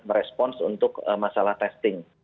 merespons untuk masalah testing